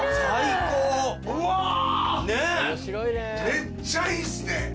めっちゃいいっすね。